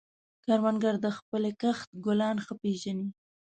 کروندګر د خپلې کښت ګلان ښه پېژني